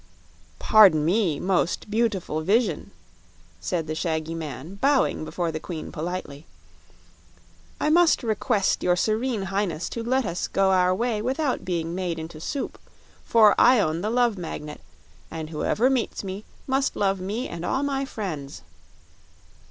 "Pardon me, most beautiful vision," said the shaggy man, bowing before the queen politely. "I must request your Serene Highness to let us go our way without being made into soup. For I own the Love Magnet, and whoever meets me must love me and all my friends."